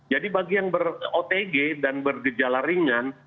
jadi bagi yang ber otg dan bergejala ringan